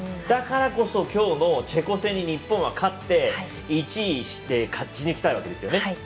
だからこそきょうのチェコ戦に日本は勝って１位で勝ち抜きたいわけですよね。